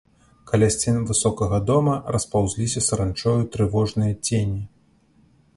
Каля сцен высокага дома распаўзліся саранчою трывожныя цені.